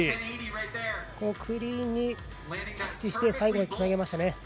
クリーンに着地して最後につなげましたね。